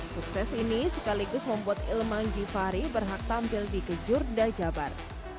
sukses ini sekaligus membuat ilman givhary berhak tampil di kejur dajabar